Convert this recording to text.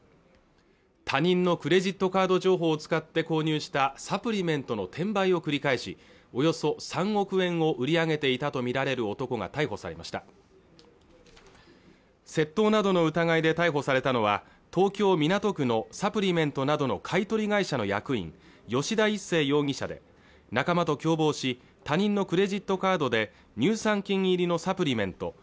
他人のクレジットカード情報を使って購入したサプリメントの転売を繰り返しおよそ３億円を売り上げていたと見られる男が逮捕されました窃盗などの疑いで逮捕されたのは東京港区のサプリメントなどの買い取り会社の役員吉田一誠容疑者で仲間と共謀し他人のクレジットカードで乳酸菌入りのサプリメント